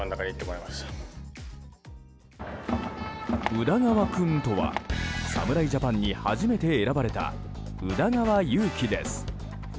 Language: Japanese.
宇田川君とは侍ジャパンに初めて選ばれた宇田川優希です。